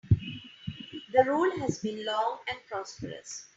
The rule has been long and prosperous.